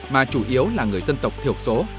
mà chủ yếu là người dân tộc thiểu số